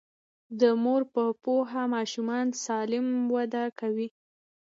د مور په پوهه ماشومان سالم وده کوي.